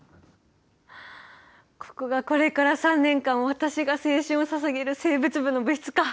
ここがこれから３年間私が青春をささげる生物部の部室か。